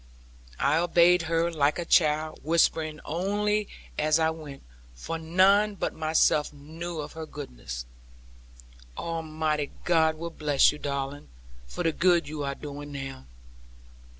I obeyed her, like a child, whispering only as I went, for none but myself knew her goodness 'Almighty God will bless you, darling, for the good you are doing now.'